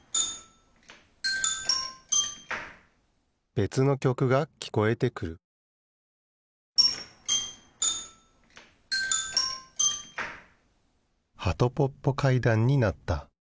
べつのきょくがきこえてくるはとぽっぽ階段になった。